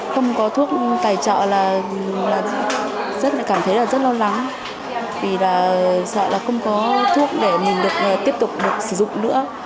không có thuốc tài trợ là cảm thấy rất là lo lắng vì là sợ là không có thuốc để mình được tiếp tục sử dụng nữa